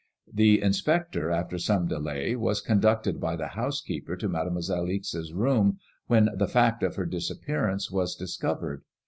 The inspector, after some delay, was conducted by the housekeeper to Made moiselle Ixe's room, when the Gact of her disappearance was discovered.